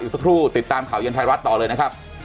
สักครู่ติดตามข่าวเย็นไทยรัฐต่อเลยนะครับ